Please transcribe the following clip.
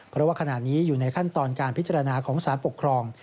เพราะว่าขณะนี้อยู่ในขั้นตอนการพิจารณาของสารปกครอง